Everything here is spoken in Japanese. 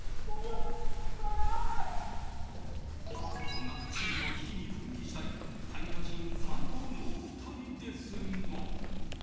そんなチームの危機に奮起したいタイムマシーン３号の２人ですが。